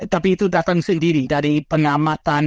tapi itu datang sendiri dari pengamatan